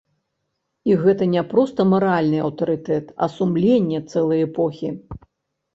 І гэта не проста маральны аўтарытэт, а сумленне цэлай эпохі.